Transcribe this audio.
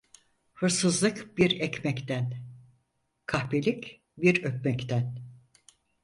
Hırsızlık bir ekmekten, kahpelik bir öpmekten.